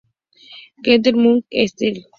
Werner Müller-Esterl.